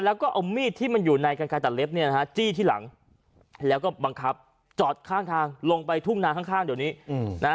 แล้วก็เอามีดที่มันอยู่ในกันกายตัดเล็บเนี่ยนะฮะจี้ที่หลังแล้วก็บังคับจอดข้างทางลงไปทุ่งนาข้างเดี๋ยวนี้นะฮะ